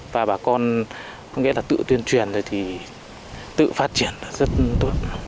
và bà con có nghĩa là tự tuyên truyền rồi thì tự phát triển rất tốt